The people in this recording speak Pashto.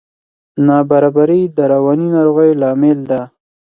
نابرابري د رواني ناروغیو لامل ده.